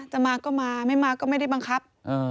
จะมาก็มาไม่มาก็ไม่ได้บังคับ